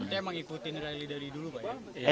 kita memang ikutin rally dari dulu pak